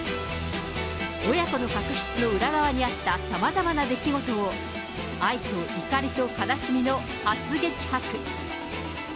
親子の確執の裏側にあったさまざまな出来事を、愛と怒りと悲しみの初激白。